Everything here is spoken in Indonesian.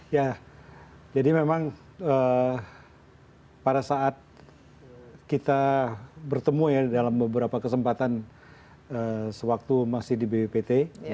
ya jadi memang pada saat kita bertemu ya dalam beberapa kesempatan sewaktu masih di bppt